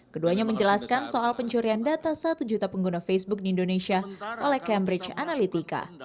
keduanya menjelaskan soal pencurian data satu juta pengguna facebook di indonesia oleh cambridge analytica